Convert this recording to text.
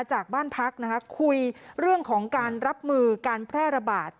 จากบ้านพักนะคะคุยเรื่องของการรับมือการแพร่ระบาด